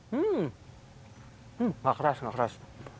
hmm nggak keras nggak keras